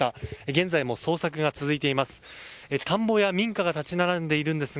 現在も捜索が続いています。